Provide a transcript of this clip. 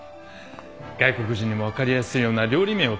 外国人にも分かりやすいような料理名を使いたい。